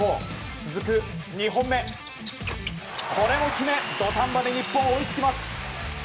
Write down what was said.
続く２本目、これも決め土壇場で日本、追いつきます！